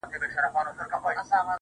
د بشريت له روحه وباسه ته.